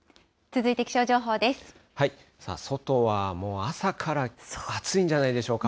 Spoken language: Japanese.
外はもう朝から暑いんじゃないでしょうか。